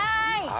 はい！